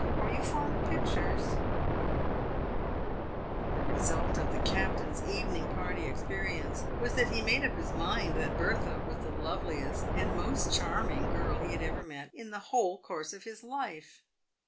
Are you fond of pictures ?" The result of the captain's evening party experience was that he made up his mind that Bertha was the loveliest and most charming girl he had ever met in the whole course of his life.